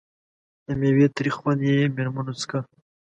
د میوې تریخ خوند یې مېرمنو څکه.